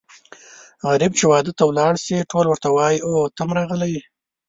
غريب چې واده ته لاړ شي ټول ورته وايي اووی ته هم راغلی یې.